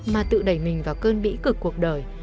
mà tự đẩy mình vào cơn bí cực cuộc đời